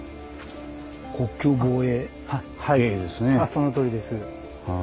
そのとおりです。